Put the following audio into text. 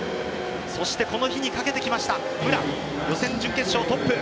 そしてこの日にかけてきました武良予選準決勝トップ。